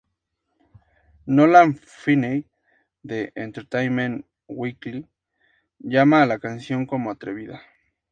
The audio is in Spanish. Nolan Feeney de "Entertainment Weekly" llama a la canción como "atrevida".